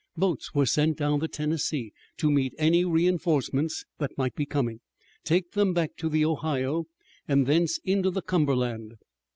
Boats were sent down the Tennessee to meet any reinforcements that might be coming, take them back to the Ohio, and thence into the Cumberland.